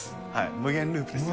無限ループですね。